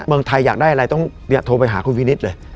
เมืองไทยอยากได้อะไรต้องโทรไปหาคุณวินิตเลย